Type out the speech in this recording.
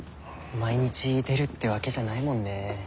毎日出るってわけじゃないもんね。